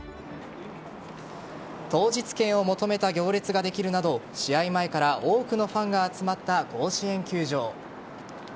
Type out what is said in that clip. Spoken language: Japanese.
当日券を求めた行列ができるなど試合前から多くのファンが集まった甲子園球場。